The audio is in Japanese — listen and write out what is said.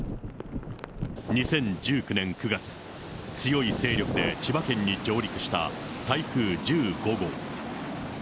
２０１９年９月、強い勢力で千葉県に上陸した台風１５号。